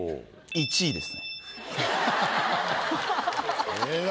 １位です。